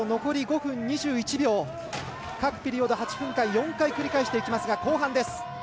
各ピリオド８分間４回繰り返していきますが後半です。